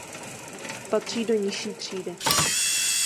Patří do nižší třídy.